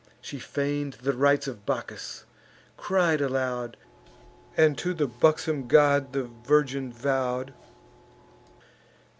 She feign'd the rites of Bacchus; cried aloud, And to the buxom god the virgin vow'd.